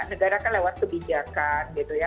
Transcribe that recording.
negara kan lewat kebijakan gitu ya